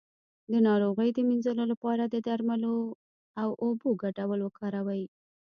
د ناروغۍ د مینځلو لپاره د درملو او اوبو ګډول وکاروئ